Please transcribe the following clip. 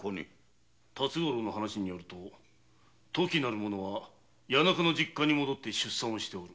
辰五郎によると“とき”は谷中の実家に戻って出産している。